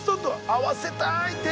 合わせたい手。